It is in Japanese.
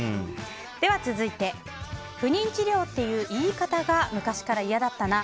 続いて不妊治療っていう言い方が昔から嫌だったな。